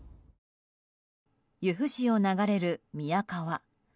由布市を流れる宮川。